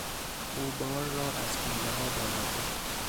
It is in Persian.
او بار را از پلهها بالا برد.